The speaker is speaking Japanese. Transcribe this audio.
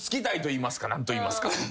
何といいますか。